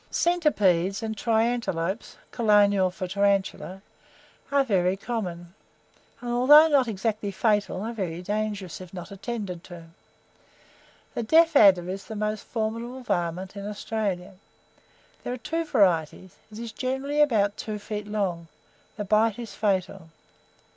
Centipedes and triantelopes (colonial, for tarantula) are very common, and though not exactly fatal, are very dangerous if not attended to. The deaf adder is the most formidable "varmint" in Australia. There are two varieties; it is generally about two feet long. The bite is fatal.